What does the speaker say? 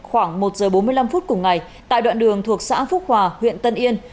khoảng một giờ bốn mươi năm phút cùng ngày tại đoạn đường thuộc xã phúc hòa huyện tân yên